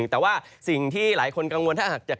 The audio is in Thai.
มองขึ้นบนท้องฟ้า